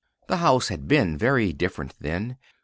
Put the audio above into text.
The house had been very different then.